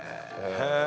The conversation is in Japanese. へえ！